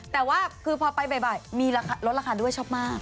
แต่ว่าคือพอไปบ่อยมีลดราคาด้วยชอบมาก